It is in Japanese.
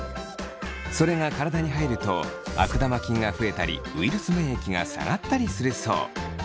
それが体に入ると悪玉菌が増えたりウイルス免疫が下がったりするそう。